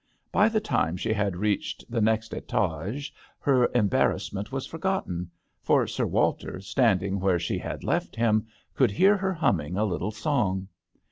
By the time she had reached the next Stage her embarrassment was forgotten, for Sir Walter, standing where she had left him, could hear her humming a little song.